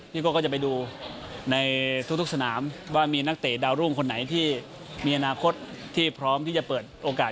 โก้ก็จะไปดูในทุกสนามว่ามีนักเตะดาวรุ่งคนไหนที่มีอนาคตที่พร้อมที่จะเปิดโอกาส